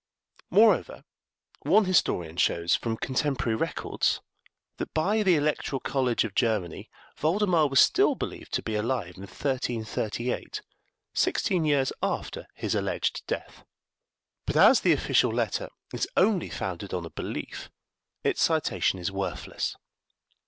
Moreover, one historian shows from contemporary records that by the Electoral College of Germany Voldemar was still believed to be alive in 1338, sixteen years after his alleged death; but as the official letter is only founded on a belief, its citation is worthless.